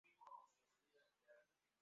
Ugonjwa wa kujikuna